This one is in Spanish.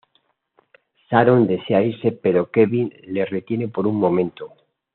Sharon desea irse pero Kevin la retiene por un momento.